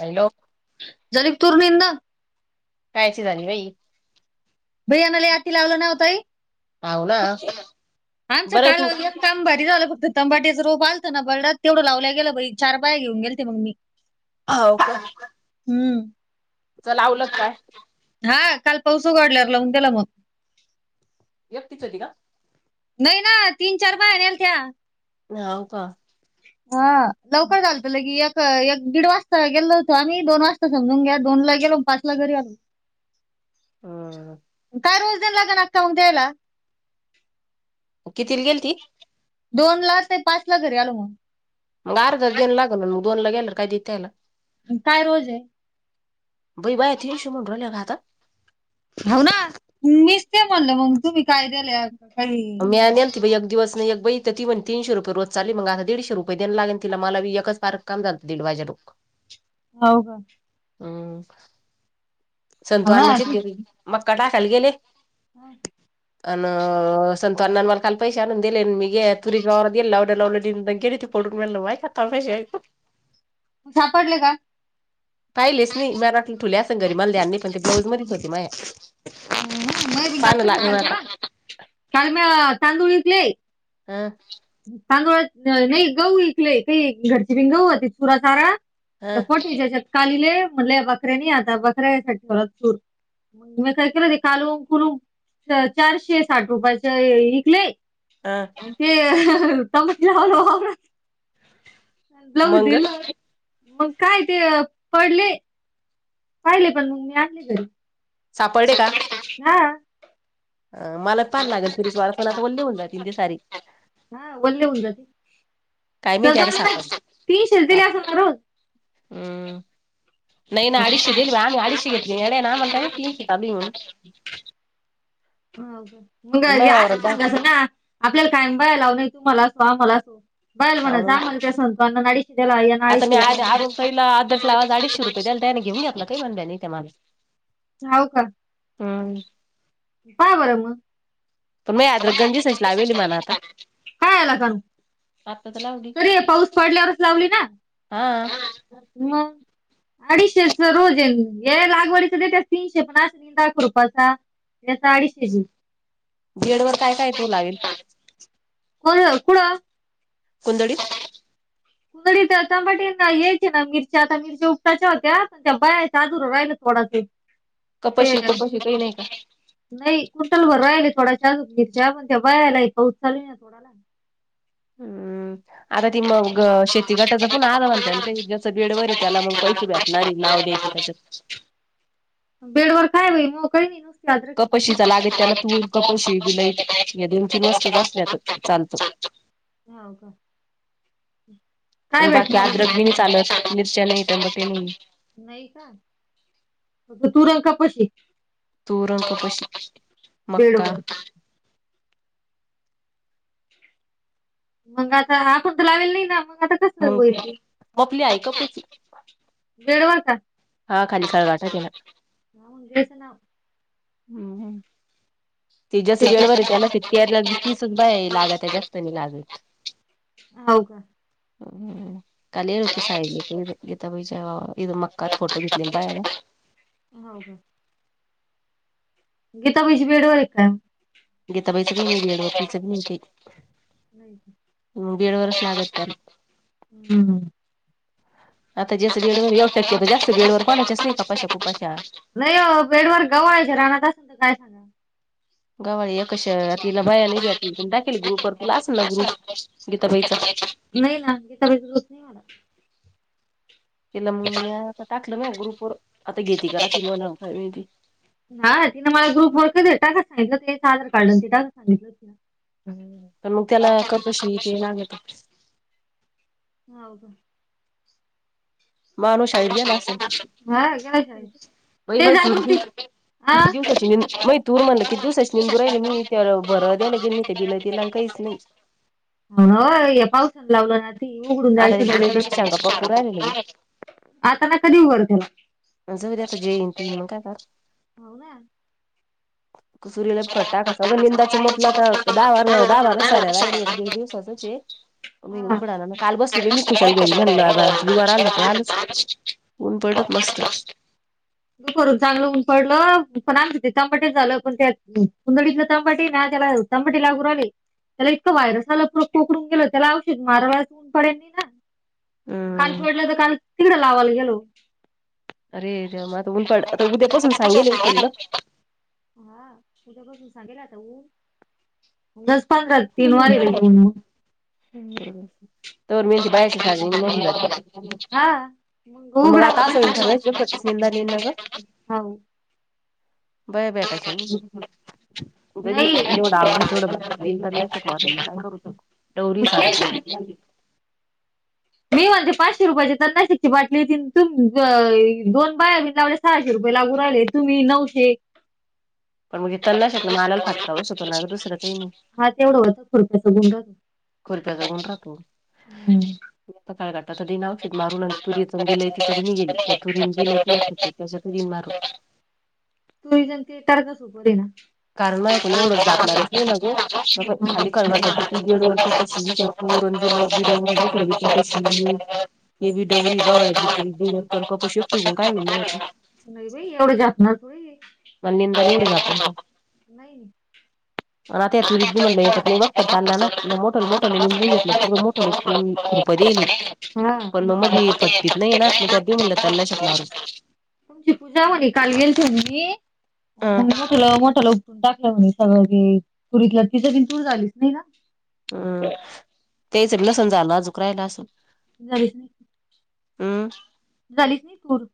आइ लो जलग तुर्नंदनेदा कायची झाली बाई बिरयाणाला यााती लावलं नव्हताई हाव ना आमचं बरं आहे तू काल काम भारी झालं फक्त तंबाट्याचा रप आलं ना बडात तेवढं लावला गेलं बई चार पाय घेऊनेल ते मग मी हव का हम्म च लावलं काय हा काल पाऊस उ गडल्यावर लावून त्याला मग एकटिच आली ना नाय ना तीन चार बाहेनल आलथा हो का. हा लवकर चालत ल की. एक दीड वाजता गेलो होतो आम्ही दोन वाजता समजून घ दोन ला गेलो पाचला घरी आल. [inaudible] हम्. काय रोजदन लाग ना काऊ त्या्याला. किती गेल ती. दोन ला ते पाच ला घरी आल मग. मग अर्धा देन लागल मग दोन ला गेला काय तथ्यायला. काय रोज आहे. बुबा [unintelligible] खात हो ना मीच ते म्हणलं मग तुम्ही कायद्याला. [unintelligible] नेल दिवस नाही एक ब त तर तीण तीनशे रुपे रो चाली म आता दडशे रुपय दयला लागल तिला एकच पार काम झालं दड वाजेक. होव का. हम संतू हो अण्णा चे ना तेरी. मक्का टाकाय गेले अन संतुअण्णा मला काल. पैसे आणून दिले मी तुरी गाला गेल लावड लावले त पडून मल माय का पैसे. सापडले का पाहिलेच नाही मटलं ठुल्या असं घरी मला पण ते ब्लाऊज मधत होती माया, पान लाग म आता सांग ना तांदुळीतले हा. तानदोळ नाही गहू ईकलेय ते घरची बि गहूतीच पुरा सारा हं पटच्याच्या कालीले म्हटले बकऱ्यानी आता बकऱ्या साठी होला चूर मी काय केलं ते काल कुलू चारशे साठ रुपयाच विकले. हा. ते हा मंग [unintelligible] मग काय ते पडले. पाहिले पण मग मी आणले सापडले का तरी हा. अ मला ताण लागल फिरीश्लाणता वल्ले होऊनात ते सारी. हा वल्ले होऊन जाते, काय माहिती चल आता सापड ती शेजलेली साप असल ना रोज. हम्म, नैन रोज अडीश देल्वा आम अडश घेत [unintelligible] हो मग आणि माझ्या वावरात असं बा सांगाचं ना आपल्याला कायम बाय लाव हाय तूमला असो आमला आसो बल मला हाव चांग मलते संतो अन नडीशला [unintelligible] आता मी आ अग तलार्ध किला अडीचशे रुपये द्याला त्याने घेऊन घ्या आपलं काही बण्या नाही त्या मला. होव का. हम्म. पहा बर मग. पण माझी अद्रक गंजीसच लावेली म्हणा आता हाला क [unintelligible] आता तर लावली तरी हे पाऊस पडल्यावरच लावली ना हा, मग. अडीचशे रोज आहे हे लागवडीच देत्यात तीनशे पण निंदाखुरपाचा याच अडीचशेच हे. बीएड वर काय काय तू लागेल. होन कुड. कुंदडीत. तडी तमाट यायचे ना मिरच्या आता मिरच्या उघटायच्या होत्या पण त्या बयाजू राहिल थोडासे. अ कपशी कुपशी काही नाही का [unintelligible] नाही कुंटल भर राहिले थोडा मीरच्या पण त्या बायायला पाऊत चालूय ना थोडाला. हम्म. आता ती मग शेती गटाच पण आलं म्हणत्यात. ज्याच बेडवर आहे त्याला मग पैसे भेटणारए नाव द्यायच त्याच्यात. बेडवर काय होईल? म काही नाही ना? कपशीचा लागेल त्याला तूर कपशी बिलई या दोन तीन वस्तू असल्या तर चालतं. [inaudible] हा का? काय बाकी भेटणार अद्रक बी नाही चालत. आहे मग? मिरच्या नाही. तंबाटे नाही. नाही का? फक्त तुरं आणि कपाशी. तुरं अन कपाशी, बेडवर. मक्का. मंग आता? आपण तर लावेल नाही ना? मग आता कस मग होईल? मपली आहे कपची बेड वर का? हा [unintelligible] खाली खळगाटा त्याला घ्या मग देवाचं नाव. हम्म. ते ज्याचं बेडवरए त्याला [unintelligible] तीसच बाया लागत्या जास्त नाही लागत. हाव का हं. काल येल होते साहेब. येत इथं मक्कात फोटो घेतले ना बायान. बर. गीता बाई बेडवर ए का? गेताबाईचं काही नाही बेडवरतीच [unintelligible] बी ती. नाही का? बेडवरच लागत त्यांना. हम्म आता ज्याचं बेडवरए येऊ शक्यतो जास्त बेडवर कोणायच नाही कपाशा कुपाशा. नाही हो, बेडवर [unintelligible] राहनात असेल तर काय सांगा. गव्हाला एकच [unintelligible] तिला बाया नाही भेटली पण टाकेलए ग्रुप वर. तिला असेल ना ग्रुप गीताबाईचा. नाही ना. विचार जुळत नाही. मला. तिला मंग मी आता टाकलं ना म ग्रुपवर. आता घेती का राहायती काय माहिती. हा. तिनं मला ग्रुपवर टाकाय सांगितलं एक आधार कार्डन ते टाकाय सांगितलं होत तिनं. अन मग त्याला कपाशी ते लागत. हाव का? मानु शाळेत गेला आसल. हा गेला म शाळेत. ते मई तूर जागृती मी. हा किती दिवसाची म, मई तूर म्हनलं किती दिवसाची निंदू राहिले मी. ते भर द्याला गेलते बिलतीला काहीच नाही. हां. या पावसान लावलं ना ती उघडून आता ते जायचं बिलाईतीच्या शेंगा पाकू राहिलेल्या [unintelligible] आता ना कधी उघाड त्याला. जऊर आता जे येइन तु मग काय कर- हो सुरीला खत टाकायचं अगं निंदाचं मपलं ना. आता दहा बारा दहा बारा साऱ्या राहिली एक दीड [unintelligible] दिवसाचच आहे. मी उघडा ना काल हम बसली बाई मी खुशाल घरी म्हणलं जीवावर आलं [unintelligible] तर ऊन पडलत मस्त. कुणीकडून चांगलं उन पडलं. पण आमचे ते तंबाटे झालं पण त्या कुंडडीतलं तंबाटेये त ना त्याला- तंबाटे लागू राहिले. त्याला इतकं वायरस आलं. परत पोखरून गेलं, त्याला औषध माराव असं ऊन पडे नाही ना. काल हम्म सोडलं तर काल, तिकडं लावायला गेलो. अरे देवा! आता ऊनपाड, आता उद्यापासून सांगेलए ना तुला. हा. उद्या पासून सांगेल ए आता ऊन. दस पंधरा तीन वार ये ऊन. ह तवर मेहनती बायाच्या [unintelligible] निम्मं होऊन जातील. हा पण मग आता आस होईन, सगळच एकठी निंदायला येईन ना ग? हो दवा भेटायच्या नाही [unintelligible] घेईल नाही मी [unintelligible] काय करु मग? बुरी मग तेच सारतेय ना. मी म्हणते पाचशे रुपयाची कपाशीची बाटली येती. न तुम्ही दोन बाया नाही लावल्या- सहाशे रुपये लागू राहिले. तुम्ही नऊशे- पण मग तणनाशकन मलाही फटका बसतो ना? दुसरं काही नाही. हा तेवढं होतं, खुरत गुंड कोरीप्याज कोड राप काळघाटाातध नावशेत मारून तुरीचं बिल त चग गेली त्या तुरी बियती एकख हो. त्याच्या तरी मारू. तु्ही जणते तारगसोपे ना. कारण माझ्याकडून एवढ झाकणारच नाही ना ग. खाली क त हं. दीड वर् पशीलीरणब बिड खरीतशी हे ब डवररी गवळ बरीडक कर कपशीक ठवण काय व्हईल मग एवढ जातणार. मला निंदाली एवढ जा आप नाही. आणि आता त्या तुरीत हा बी म्हटलं याच्यात नाही बर चालला ना, मोठ मोठ निंदून घेतलं मोठ. कू करपतीले. पण मग मध्ये फट्टत नाहीये ना मग त्या देऊ म्हणलं तरनाशक मारू. तुमची पूजा म्हणी काल गेलतो म्हणी. मोठलं मोठ्याला उठून टाकलं म्हणे सगळं जे तुरीतलं ति ज कन टूर झालीच नाही ना. हम्म तेच नसल झालं अजुक रायला असन. नाही. हम. झालीस नाही तूर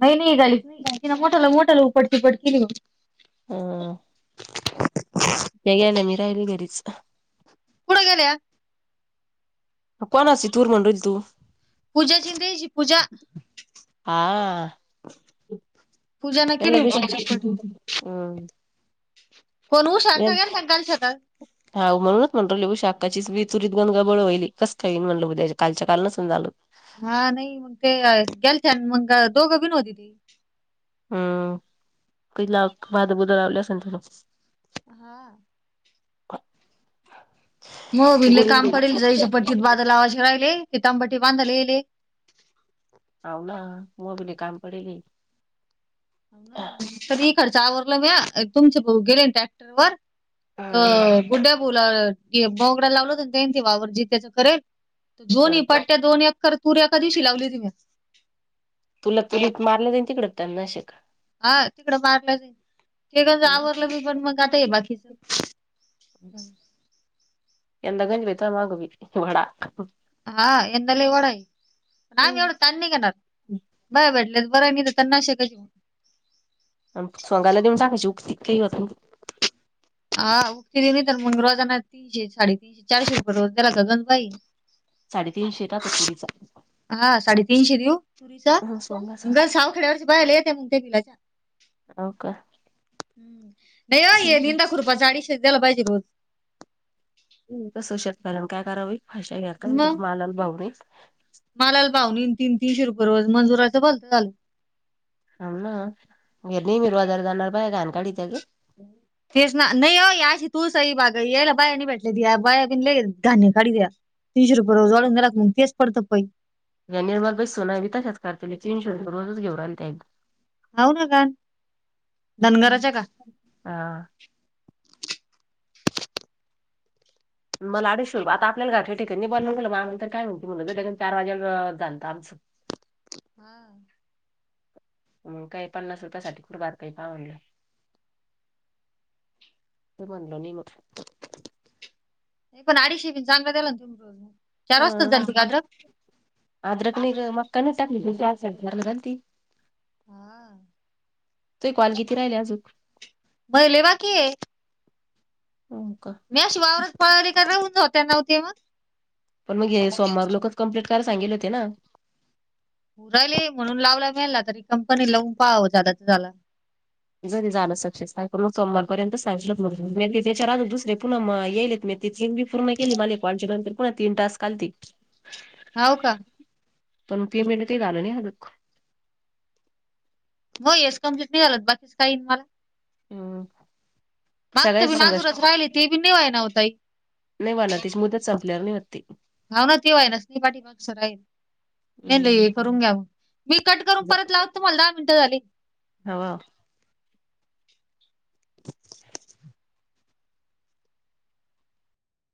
नाही नाही गाली तीन मोठाला मोठाला उपडतीपड केली होती. ह. त्या गेल्या, मी राहिली घरीच. कुड गेलेया? कोणाची तूर म्हणू राहिली तु? पूजा ची आणि त्याची पूजा हा पूजानं त्यांना केली उपट तिपट हम. कोण ऊ शाखा ग शकालच्याछत. हा म्हणूनच म्हटल उषा अक्काची विचुरीत गनगा बळवाहिली कस काही म्हटलं ब्या कालच्या काल नसल झाल. हा नाही मग ते गेल मग दोघं बीनवती हम किला भाद बुद लावले असेल. हा. [inaudible] गोळीनं घरीच [unintelligible] हाव न म भी लय काम पडेल हे. तरी इकडच आवरल म्या तुमचे भाऊ गेले न ट्रॅक्टर वर त हा गुड्ड्या बोला [unintelligible] त्यांनी ते वावर जात्याच करेल. दोनही पट्ट्या दोन एक कर तोऱ्या एका दिवशी लावली होती म्या. तुला तुरीत मारलं जाईल तिकड [unintelligible] हा तिकडं मारलं जाईल ते गज आवरलं मी पण मग आता हे बाकीचं. [unintelligible] हा यंदा लय वडा आहे आम्ही एवढा ताण नाही घेणार बाया भेटला तर बर आहे नाहीतर सोगायला देऊन टाकायची उक्ती काही होत नाही. हा उगती दि नाही तर मग रोजांना तीनशे साडेतीीनशे चारशे रुपये दिला तर गण बाई साडेतीनशे राहतात तत्तुरीचा. हा साडेतीनशे देव पुरीचा सोंगाचा गल सावखेड्यावरची बाहिला येत्या मु त्या्या विलाच्या हाव का? नाही हो हे निंदा खुरपाचा अदिशशेच दिला पाहिजे रोज. कस शेतकऱ्यांना कस कराव बाई पाशा घेऊ का बाई मग मालाला भाव नाही. मालाला भाव नाही आणि तीन तीनशे रुपये रोज मजुराचं घर झालं हाव ना या नेहमी रोजानं जाणाऱ्या बाया घाण काढतात ग [inaudible] नाही हो या अशी तुळसाई त्याला बाया नाही भेटले की या बाया दिल्याचे घाण काढतात. तीनशे रुपये रोज वाढून गेला की तेच करतं पडी. या निर्मला बाईच्या सुना ती तशाच करतात तीनशे रुपये घेऊन राहिल्या त्या. हाव ना का धनगराच्या का हां मला अडीशे आता आपल्याला घर ठ ठिक आहे बनवून गलं मग तर काय म्हणती मुलं ज लगन चार वाजेला जाणतं आचं. हां मग काही पन्नास रुपया साठी कुठे बारकाई पाव म्हटले. काय म्हणलं नाही मग. नाही पण अडीचशे बी चांगला त्याला ना तुम चार वाजताच मग झालती का अद्रक. अद्रक [unintelligible] हा तये कॉल किती राहिलेत अजून? मग लय बाकी आहे हो का मी अशी वावरात पळाले केले उंच होतील ना मग ते. पण हे सोमवार लोकच कम्प्लीट करायला सांगितले होते ना. राहिले मग लावला आता रिकापन आहे तर लावून पहाव झाले तर झालं झालं जरी जाण तसां मग सोमवारपर्यंत सांगल मग त्याच्या दुसरे पुन येईलेत मी. ते तीन पूर्ण केले कालचे पुन्हा मला तीन तास्क आलते. होव का पण पेमेंट काय झालं नाही आजूक. मग हेच कम्प्लीट नाही झालं तर बाकी काय येईल मला. हम्म मागचं बी सगळ्याच संघर्ष माजुरच राहिली ते बी नाय व्हयना ओ ताई. मी होते. ते होईना तू राहिले पाठीमागचा राहील नाही नाही हम्म हे करून घ्याव मी कट करून परत लावत तुम्हाला दहा मिनटं झाले. हाव हाव